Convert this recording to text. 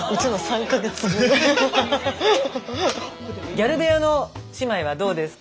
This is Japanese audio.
ギャル部屋の姉妹はどうですか？